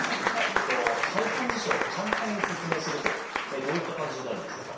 えっと排反事象を簡単に説明するとどういった感じになるんでしょうか？